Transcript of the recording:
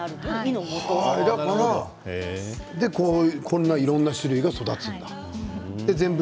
それでこんないろいろな種類が育つんだ。